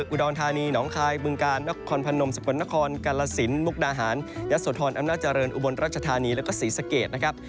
อุดรธานีหนองคายบึงกาลนครพนมสกลนครกาลสินมุกดาหารยะโสธรอำนาจเจริญอุบลรัชธานีแล้วก็ศรีสะเกดนะครับ